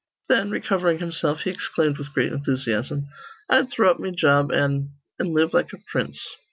Then, recovering himself, he exclaimed with great enthusiasm, "I'd throw up me job an' an' live like a prince."